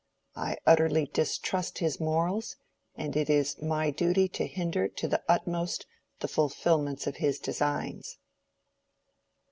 I utterly distrust his morals, and it is my duty to hinder to the utmost the fulfilment of his designs."